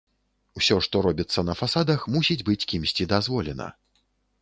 Усё, што робіцца на фасадах, мусіць быць кімсьці дазволена.